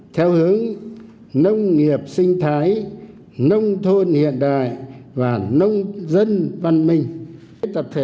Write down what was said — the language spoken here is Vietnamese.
theo hướng nông nghiệp sinh thái nông thôn hiện đại và nông dân văn minh